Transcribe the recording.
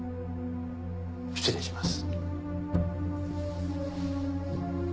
失礼します。